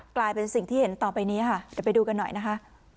กลายเป็นสิ่งที่เห็นต่อไปนี้ค่ะเดี๋ยวไปดูกันหน่อยนะคะ